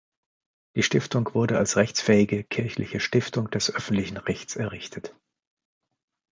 Die Stiftung wurde als rechtsfähige kirchliche Stiftung des öffentlichen Rechts errichtet.